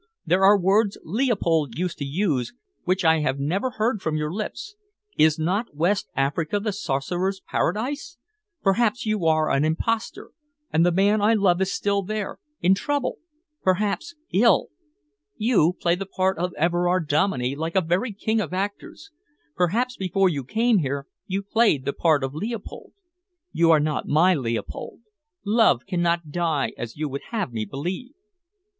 There are words Leopold used to use which I have never heard from your lips. Is not West Africa the sorcerer's paradise? Perhaps you are an imposter, and the man I love is there still, in trouble perhaps ill. You play the part of Everard Dominey like a very king of actors. Perhaps before you came here you played the part of Leopold. You are not my Leopold. Love cannot die as you would have me believe."